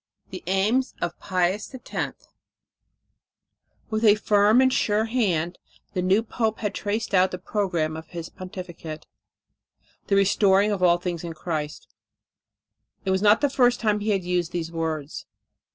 VI THE AIMS OF PIUS X With a firm and sure hand the new pope had traced out the programme of his pontificate the restoring of all things in Christ. It was not the first time he had used these words.